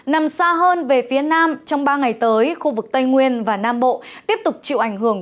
nằm xa hơn về phía nam trong ba ngày tới khu vực tây nguyên và nam bộ tiếp tục chịu ảnh hưởng